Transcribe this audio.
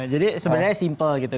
jadi sebenarnya simpel gitu